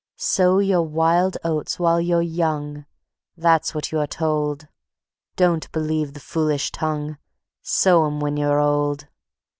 "Sow your wild oats while you're young," that's what you are told; Don't believe the foolish tongue sow 'em when you're old.